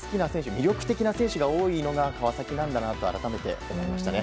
魅力的な選手が多いのが川崎なんだなと改めて思いましたね。